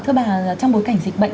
thưa bà trong bối cảnh dịch bệnh